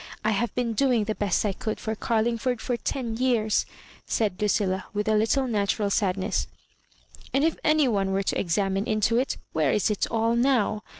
I have been domg the best I could for Carling ford for ten years," said Lucilla^ with a httle natural sadness, "and if any one were to ex amine into it, where is it all now?